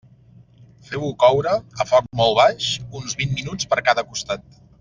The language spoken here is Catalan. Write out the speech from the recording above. Feu-ho coure, a foc molt baix, uns vint minuts per cada costat.